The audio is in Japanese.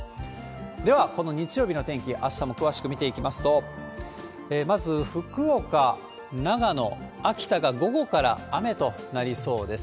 では、この日曜日の天気、あしたも詳しく見ていきますと、まず福岡、長野、秋田が午後から雨となりそうです。